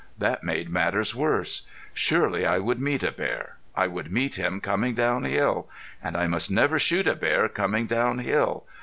That made matters worse. Surely I would meet a bear. I would meet him coming down hill! And I must never shoot a bear coming down hill!